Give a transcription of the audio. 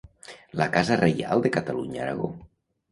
La casa reial de Catalunya-Aragó.